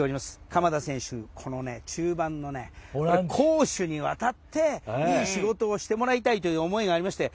鎌田選手、中盤の攻守にわたっていい仕事をしてもらいたいという思いがありまして